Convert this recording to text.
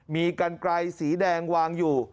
มีกันไกลสีแดงวางอยู่